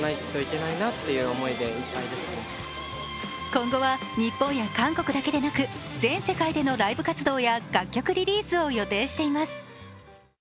今後は日本や韓国だけでなく全世界でのライブ活動や楽曲リリースを予定しています。